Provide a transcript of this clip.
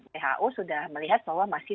who sudah melihat bahwa masih